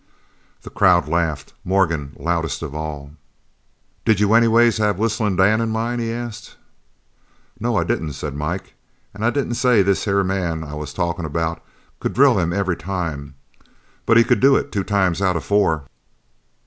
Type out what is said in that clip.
The crowd laughed, Morgan loudest of all. "Did you anyways have Whistlin' Dan in mind?" he asked. "No, I didn't," said Mike, "an' I didn't say this here man I was talkin' about could drill them every time. But he could do it two times out of four."